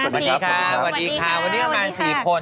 สวัสดีครับสวัสดีครับสวัสดีค่ะวันนี้มา๔คน